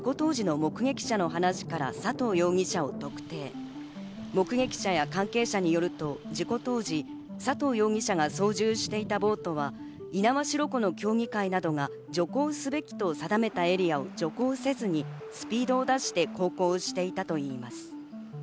目撃者や関係者によると、事故当時、佐藤容疑者が操縦していたボートは猪苗代湖の協議会などが徐行すべきと定めたエリアを徐行せずにスピードを出して航行していたといいます。